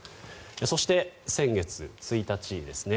そして、先月１日ですね